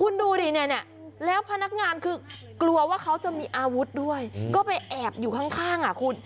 คุณดูดิเนี่ยแล้วพนักงานคือกลัวว่าเขาจะมีอาวุธด้วยก็ไปแอบอยู่ข้างอ่ะคุณ